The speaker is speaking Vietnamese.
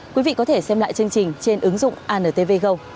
quý vị có thể xem lại chương trình trên ứng dụng antv go